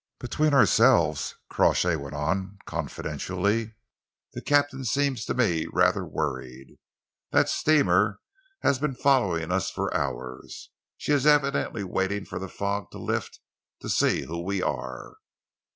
"Between ourselves," Crawshay went on confidentially, "the captain seems to me rather worried. That steamer has been following us for hours. She is evidently waiting for the fog to lift, to see who we are."